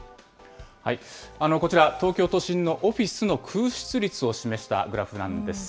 こちら、東京都心のオフィスの空室率を示したグラフなんです。